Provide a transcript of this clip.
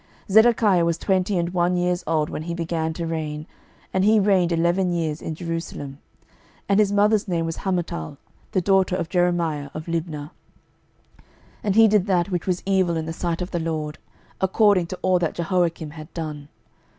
12:024:018 Zedekiah was twenty and one years old when he began to reign, and he reigned eleven years in Jerusalem. And his mother's name was Hamutal, the daughter of Jeremiah of Libnah. 12:024:019 And he did that which was evil in the sight of the LORD, according to all that Jehoiakim had done.